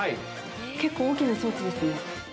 結構大きな装置ですね。